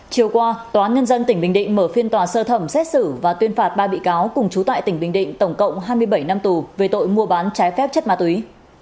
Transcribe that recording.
chiều qua tòa nhân dân tỉnh bình định mở phiên tòa sơ thẩm xét xử và tuyên phạt ba bị cáo cùng trú tại tỉnh bình định tổng cộng hai mươi bảy năm tù về tội mua bán trái phép chất ma túy